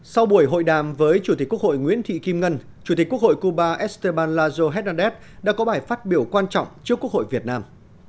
sau buổi hội đàm với chủ tịch quốc hội nguyễn thị kim ngân chủ tịch quốc hội cuba esteban lazo herndez đã có bài phát biểu quan trọng trước quốc hội việt nam